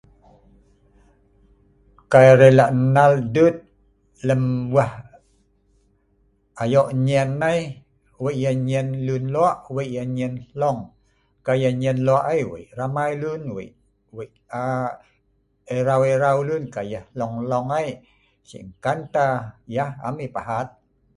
Kai arai la’ nnal duet lem weeh ayoq nyien nai, wei yeh nyien luen loe’, wei yeh nyien hloong. Kai nyien loe’ ai wei ramai luen, wei …wei aa.. eraau-eraau luen. Kai yeh loong-loong ai si’ nkan tah yeh am yeh pahaat